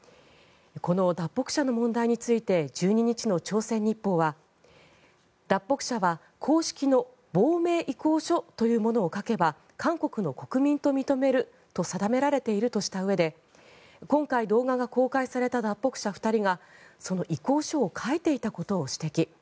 この脱北者の問題について１２日の朝鮮日報は脱北者は公式の亡命意向書というものを書けば韓国の国民と認めると定められているとしたうえで今回、動画が公開された脱北者２人がその意向書を書いていたことを指摘。